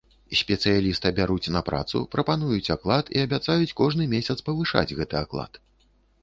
Спецыяліста бяруць на працу, прапануюць аклад і абяцаюць кожны месяц павышаць гэты аклад.